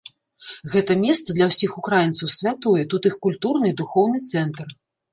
Гэта месца для ўсіх украінцаў святое, тут іх культурны і духоўны цэнтр.